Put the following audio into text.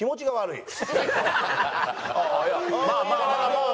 いやまあまあまあまあ。